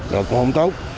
là cũng không tốt